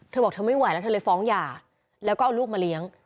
เธอบอกเธอไม่ไหวแล้วเธอเลยฟ้องหย่าแล้วก็เอาลูกมาเลี้ยง